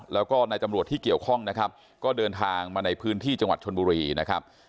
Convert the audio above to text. แล้วก็นายตำรวจที่เกี่ยวข้องนะครับก็เดินทางมาในพื้นที่จังหวัดชนบุรีนะครับ